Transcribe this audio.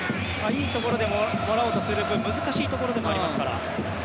いいところでもらおうとする分難しいところもありますから。